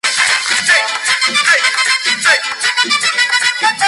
La producción, sin embargo, es italiana y alemana, en este caso sin intervención española.